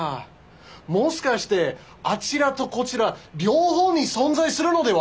もしかしてあちらとこちら両方に存在するのでは。